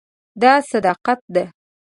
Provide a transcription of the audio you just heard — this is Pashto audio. دا صداقت ده.